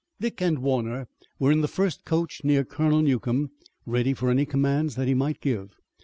Dick and Warner were in the first coach near Colonel Newcomb, ready for any commands that he might give.